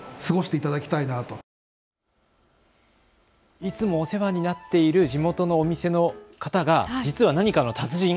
いつもお世話になっている地元のお店の方が実は何かの達人。